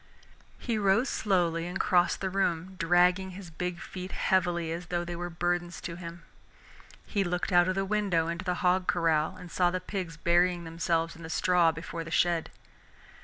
He rose slowly and crossed the room, dragging his big feet heavily as though they were burdens to him. He looked out of the window into the hog corral and saw the pigs burying themselves in the straw before the shed.